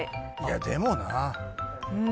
でもなぁ。